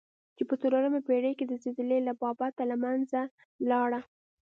چې په څلورمه پېړۍ کې د زلزلې له بابته له منځه لاړه.